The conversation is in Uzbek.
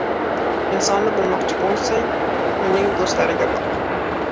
• Insonni bilmoqchi bo‘lsang, uning do‘stlariga boq.